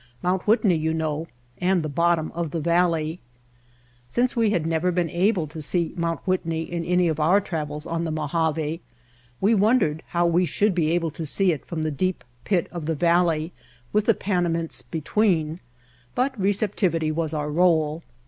Mount Whitney, you know, and the bottom of the Valley." Since we had never been able to see Mount Whitney in any of our travels on the Mojave, we wondered how we should be able to see it ifrom the deep pit of the valley with the Pana mints between, but receptivity was our role.